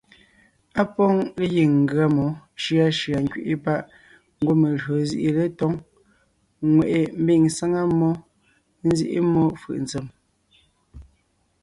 Á pôŋ legiŋ ngʉa mmó shʉashʉa nkẅiʼi páʼ ngwɔ́ melÿo zîʼi letóŋ, ŋweʼe mbiŋ sáŋa mmó, nzíʼi mmó fʉʼ ntsèm.